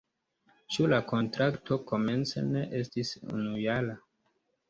Ĉu la kontrakto komence ne estis unujara?